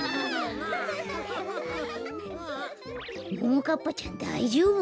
ももかっぱちゃんだいじょうぶ？